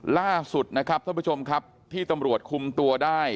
ล่าสุดนะครับท่านผู้ชมครับที่ตำรวจคุมตัวได้